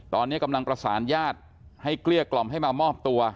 ตอนนี้กำลังประสานญาติให้เกลี้ยกล่อมให้มามอบตัว